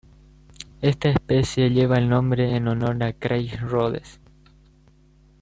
Esta especie lleva el nombre en honor a Craig Rhodes.